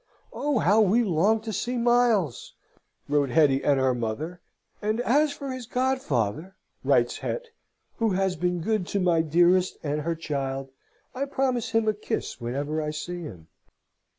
Oh, how we long to see Miles!" wrote Hetty and her mother; "and as for his godfather" (writes Het), "who has been good to my dearest and her child, I promise him a kiss whenever I see him!"